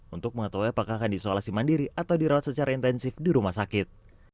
untuk mengetahui apakah akan disolasi mandiri atau dirawat secara intensif di rumah sakit